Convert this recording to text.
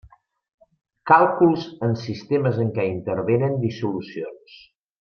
Càlculs en sistemes en què intervenen dissolucions.